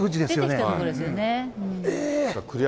出てきたところですよね。